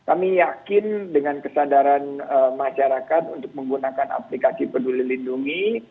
kami yakin dengan kesadaran masyarakat untuk menggunakan aplikasi peduli lindungi